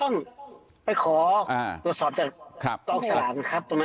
ต้องไปขอตัวสอบจากต้องออกสาราคมนะครับ